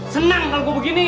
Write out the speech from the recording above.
seneng kalau gue begini